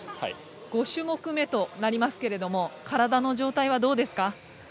５種目めとなりますけれども体の状態はどうですか？